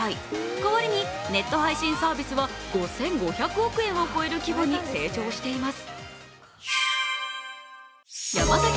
代わりにネット配信サービスは５５００億円を超える規模に成長しています。